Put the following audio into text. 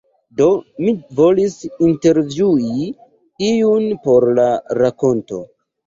Do, mi volis intervjui iun por la rakonto.